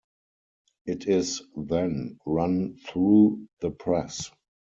It is then run through the press.